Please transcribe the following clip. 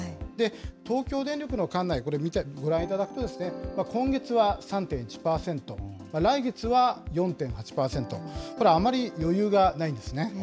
東京電力の管内、これ、ご覧いただくと、今月は３．１％、来月は４．８％、これ、あまり余裕がないんですね。